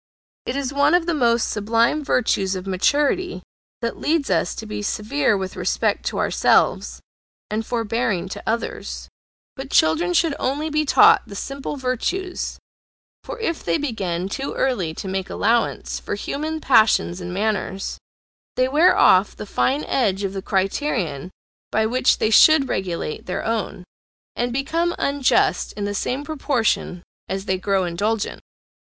It is one of the most sublime virtues of maturity that leads us to be severe with respect to ourselves, and forbearing to others; but children should only be taught the simple virtues, for if they begin too early to make allowance for human passions and manners, they wear off the fine edge of the criterion by which they should regulate their own, and become unjust in the same proportion as they grow indulgent.